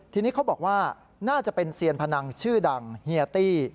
ทีนี้เขาบอกว่าน่าจะเป็นเซียนพนังชื่อดังเฮียตี้